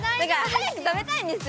早く食べたいんですよ！